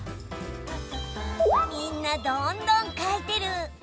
みんなどんどん書いてる。